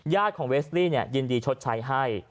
ญาติของเวสซิลียินดีชดใช้ให้